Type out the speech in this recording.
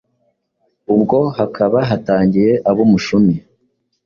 Ubwo hakaba hatangiye Ab'Umushumi,